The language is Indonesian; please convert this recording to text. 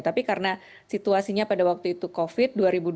tapi karena situasinya pada waktu itu covid dua ribu dua puluh